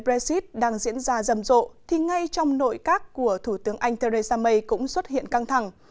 brexit đang diễn ra rầm rộ thì ngay trong nội các của thủ tướng anh theresa may cũng xuất hiện căng thẳng